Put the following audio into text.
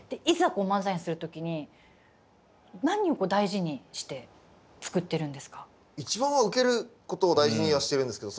こう漫才にする時に何をこう大事にして作ってるんですか？